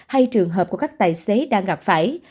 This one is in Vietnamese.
hay trường hợp của các tài xế đang gặp phải